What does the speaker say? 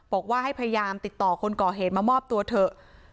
บอกว่าให้พยายามติดต่อคนก่อเหตุมามอบตัวเถอะ